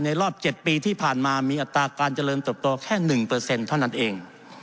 รอบ๗ปีที่ผ่านมามีอัตราการเจริญเติบโตแค่๑เท่านั้นเอง